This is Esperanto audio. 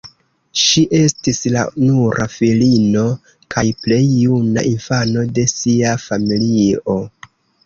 Ŝi estis la nura filino kaj plej juna infano de sia familio.